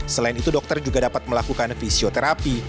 selain itu dokter juga dapat melakukan fisioterapi